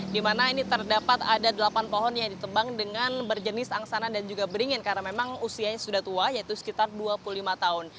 di mana ini terdapat ada delapan pohon yang ditebang dengan berjenis angsana dan juga beringin karena memang usianya sudah tua yaitu sekitar dua puluh lima tahun